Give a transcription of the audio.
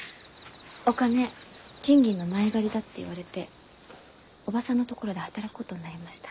お金賃金の前借りだって言われて叔母さんのところで働くことになりました。